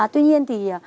tuy nhiên thì